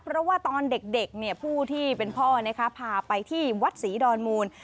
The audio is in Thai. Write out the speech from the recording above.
เพราะว่าตอนเด็กเด็กเนี่ยผู้ที่เป็นพ่อนะคะผ่าไปที่วัดศรีดอนมูล